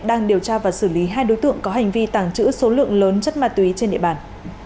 đang điều tra và xử lý hai đối tượng có hành vi tàng trữ số lượng lớn chất ma túy trên địa bàn